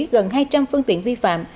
gần hai trăm linh phương tiện vi phạm